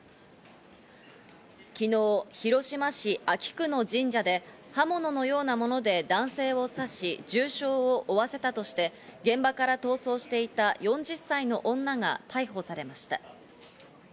昨日、広島市安芸区の神社で、刃物のようなもので男性を刺し、重傷を負わせたとして、現場から逃走していた４０歳の女が逮捕されました。